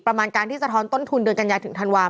ประมาณการที่สะท้อนต้นทุนเดือนกันยาถึงธันวาค